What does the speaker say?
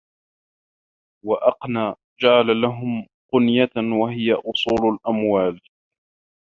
وَأَقْنَى جَعَلَ لَهُمْ قُنْيَةً وَهِيَ أُصُولُ الْأَمْوَالِ